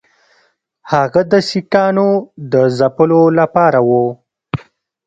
هغه د سیکهانو د ځپلو لپاره وو.